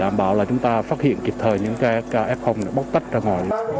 đảm bảo là chúng ta phát hiện kịp thời những cái f bóc tách ra ngoài